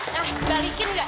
nah balikin gak